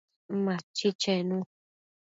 Machi chenu